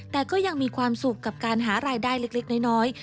แต่ก็ยังมีความสุขกับการหารายได้เล็กน้อย